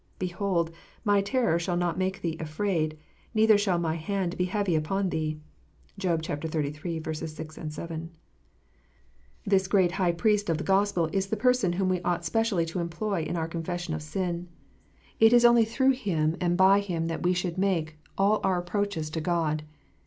Behold, my terror shall not make thee afraid, neither shall my hand be heavy upon thee. " (Job xxxiii. 6, 7.) This great High Priest of the Gospel is the person whom we ought specially to employ in our confession of sin. It is only 268 KNOTS UNTIED. through Him and by Him that we should make all our approaches to God.